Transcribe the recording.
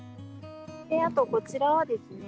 あとこちらはですね